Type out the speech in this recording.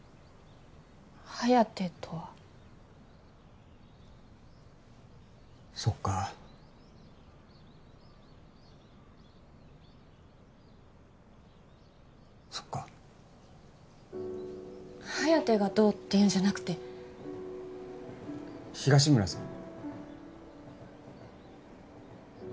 颯とはそっかそっか颯がどうっていうんじゃなくて東村さん？